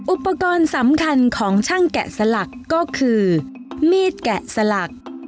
อุปกรณ์สำคัญของช่างแกะสลักก็คือมีดแกะสลัก